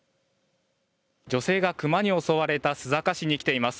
女性がクマに襲われた須坂市に来ています。